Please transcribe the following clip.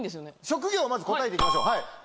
職業をまず答えて行きましょう。